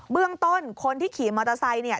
เรื่องต้นคนที่ขี่มอเตอร์ไซค์